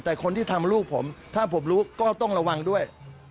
แต่คนที่ทำลูกผมถ้าผมรู้ก็ต้องระวังด้วย